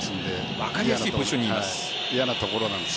分かりやすいポジションにいます。